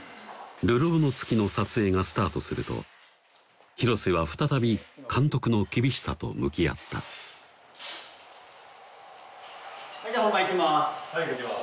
「流浪の月」の撮影がスタートすると広瀬は再び監督の厳しさと向き合ったはいじゃ本番いきます